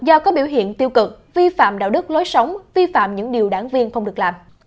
do có biểu hiện tiêu cực vi phạm đạo đức lối sống vi phạm những điều đảng viên không được làm